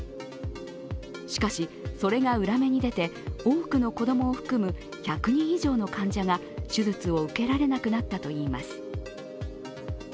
しかし、それが裏目に出て多くの子供を含む１００人以上の患者が手術を受けられなくなったといいます。